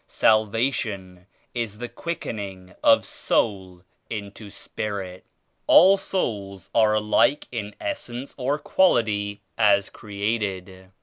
Salvation is the quickening of soul into Spirit. All souls are alike in essence or quality as created.